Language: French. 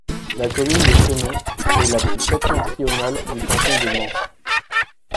La commune de Chenon est la plus septentrionale du canton de Mansle.